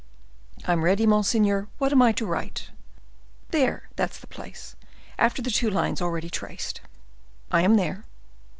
"I am ready, monseigneur; what am I to write?" "There, that's the place: after the two lines already traced." "I am there."